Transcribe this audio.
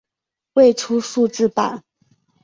未出数字版。